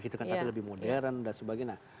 tapi lebih modern dan sebagainya